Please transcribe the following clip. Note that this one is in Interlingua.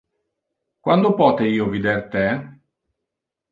Quando pote io vider te?